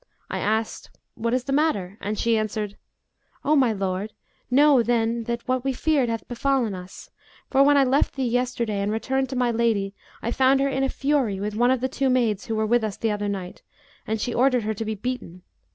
I asked, 'What is the matter'?; and she answered, 'O my lord, know then that what we feared hath befallen us; for, when I left thee yesterday and returned to my lady, I found her in a fury with one of the two maids who were with us the other night, and she ordered her to be beaten.